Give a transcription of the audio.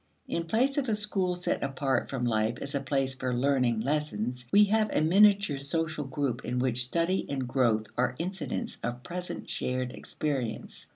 In place of a school set apart from life as a place for learning lessons, we have a miniature social group in which study and growth are incidents of present shared experience.